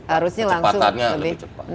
harusnya bisa lebih cepat